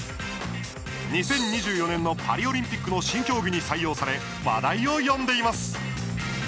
２０２４年のパリオリンピックの新競技に採用され話題を呼んでいます。